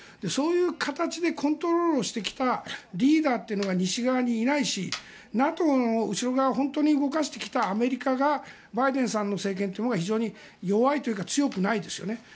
そういう形でコントロールしてきたリーダーというのが西側にいないしＮＡＴＯの後ろ側を本当に動かしてきたアメリカがバイデンさんの政権は非常に弱いというか強くないですよね。